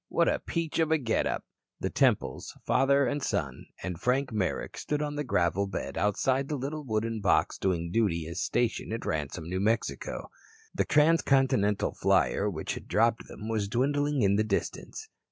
What a peach of a get up." The Temples, father and son, and Frank Merrick stood on the gravel bed outside the little wooden box doing duty as station at Ransome, New Mexico. The transcontinental flier which had dropped them, was dwindling in the distance.